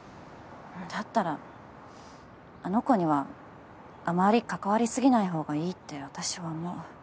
だったらあの子にはあまり関わりすぎないほうがいいって私は思う。